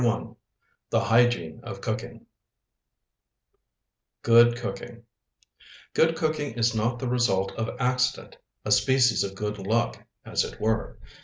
115 146 HYGIENE OF COOKING GOOD COOKING Good cooking is not the result of accident, a species of good luck, as it were.